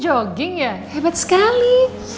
jogging ya hebat sekali